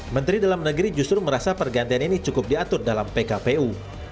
menteri dalam negeri justru merasa pergantian ini cukup diatur dalam pkpu